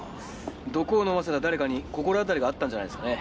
毒を飲ませた誰かに心当たりがあったんじゃないですかね。